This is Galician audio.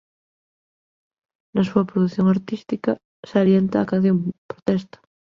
Na súa produción artística salienta a canción de protesta.